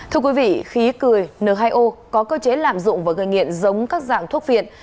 thưa quý vị khí cười n hai o có cơ chế lạm dụng và gây nghiện giống các dạng thuốc viện